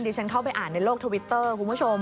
ฉันเข้าไปอ่านในโลกทวิตเตอร์คุณผู้ชม